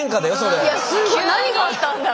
何があったんだろう？